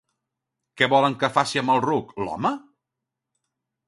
Què volen que faci amb el ruc, l'home?